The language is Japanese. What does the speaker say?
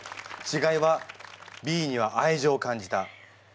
ちがいはＢには愛情を感じた。